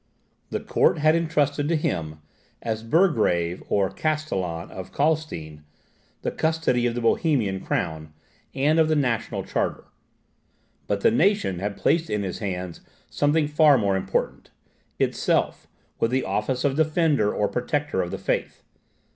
The court had intrusted to him, as burgrave or castellan of Calstein, the custody of the Bohemian crown, and of the national charter. But the nation had placed in his hands something far more important ITSELF with the office of defender or protector of the faith.